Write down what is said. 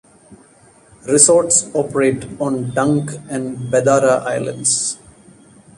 Resorts operate on Dunk and Bedarra Islands.